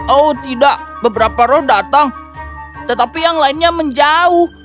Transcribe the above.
oh tidak beberapa roh datang tetapi yang lainnya menjauh